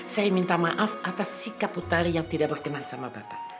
saya minta maaf atas sikap utali yang tidak berkenan sama batak